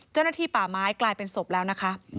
เจ้าหน้าที่ป่าไม้กลายเป็นศพแล้วนะคะ